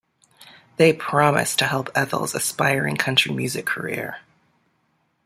They promised to help Ethel's aspiring country music career.